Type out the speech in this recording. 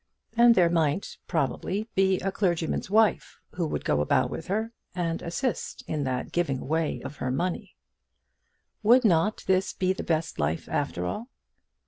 And there might, probably, be a clergyman's wife, who would go about with her, and assist in that giving away of her money. Would not this be the best life after all?